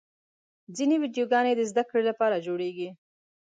ځینې ویډیوګانې د زدهکړې لپاره جوړېږي.